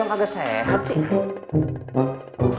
agak sehat sih